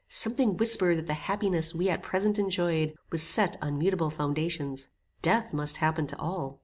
Something whispered that the happiness we at present enjoyed was set on mutable foundations. Death must happen to all.